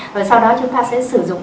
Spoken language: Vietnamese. và sau đó chúng ta sẽ sử dụng